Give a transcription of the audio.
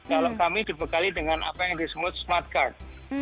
kalau kami dibekali dengan apa yang disebut smart card